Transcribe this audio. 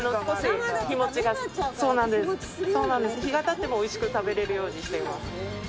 日が経ってもおいしく食べられるようにしてます。